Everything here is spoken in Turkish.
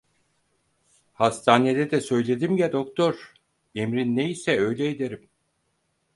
Hastanede de söyledim ya doktor, emrin ne ise öyle ederim.